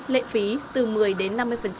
lệ phí từ một mươi đến năm mươi